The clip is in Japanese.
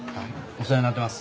お世話になってます。